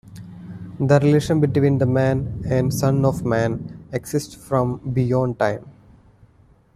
The relation between the "Man" and "Son of Man" exists from beyond time.